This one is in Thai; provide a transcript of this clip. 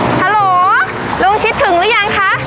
ฮัลโหลลุงชิดถึงหรือยังคะ